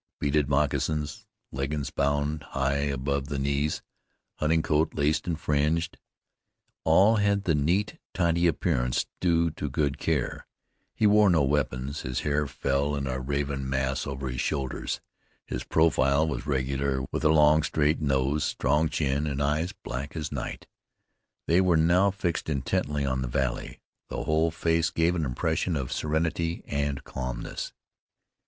Beaded moccasins, leggings bound high above the knees, hunting coat laced and fringed, all had the neat, tidy appearance due to good care. He wore no weapons. His hair fell in a raven mass over his shoulders. His profile was regular, with a long, straight nose, strong chin, and eyes black as night. They were now fixed intently on the valley. The whole face gave an impression of serenity, of calmness.